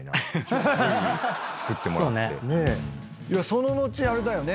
その後あれだよね。